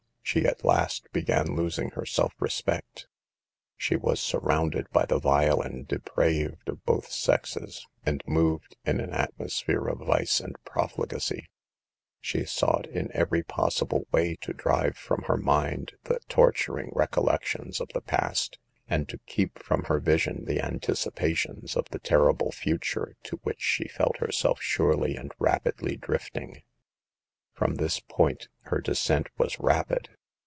She at last began losing her self respect. She was surrounded by the vile and depraved of both sexes, and moved in an atmosphere of vice and profligacy. She sought in every possible way to drive from her mind the torturing recollections of the past, and to keep from her vision the anticipations of the terrible future, to which she felt herself surely and rapidly drifting. Prom this point her descent was rapid.